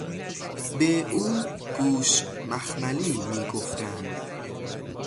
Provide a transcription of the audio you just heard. به او گوش مخملی میگفتند